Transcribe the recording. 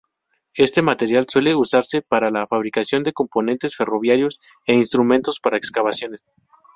Este material suele usarse para la fabricación de componentes ferroviarios e instrumentos para excavaciones.